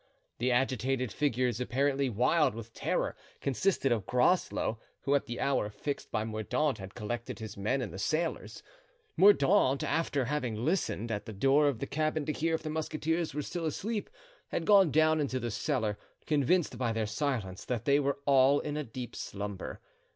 The agitated figures, apparently wild with terror, consisted of Groslow, who at the hour fixed by Mordaunt had collected his men and the sailors. Mordaunt, after having listened at the door of the cabin to hear if the musketeers were still asleep, had gone down into the cellar, convinced by their silence that they were all in a deep slumber.